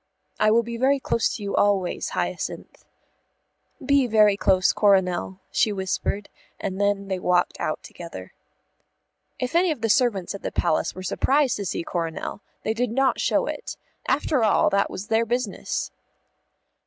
"I will be very close to you always, Hyacinth." "Be very close, Coronel," she whispered, and then they walked out together. If any of the servants at the Palace were surprised to see Coronel, they did not show it. After all, that was their business.